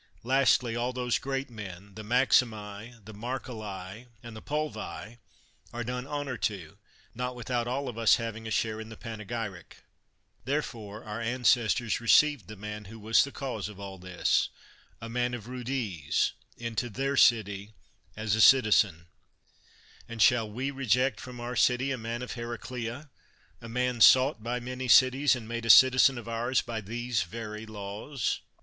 Lastly, all those great men, the Maximi, the Mar celli, and the Pulvii, are done honor to, not without all of us having also a share in the panegyric. Therefore our ancestors received the man who was the cause of all this, a man of Rudise, into their city as a citizen ; and shall we reject from our city a man of Heraclea, a man sought by many cities, and made a citizen of ours by these very laws?